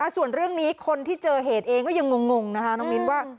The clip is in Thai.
ส่วนเรื่องนี้คนที่เจอเหตุเองก็ยังงงนะคะน้องมิ้นว่า